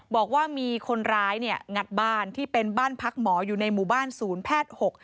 บอกว่ามีคนร้ายงัดบ้านที่เป็นบ้านพักหมออยู่ในหมู่บ้านศูนย์แพทย์๖๕